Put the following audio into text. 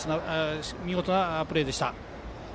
見事なプレーでした。